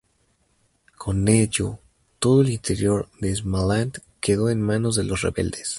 Con ello, todo el interior de Småland quedó en manos de los rebeldes.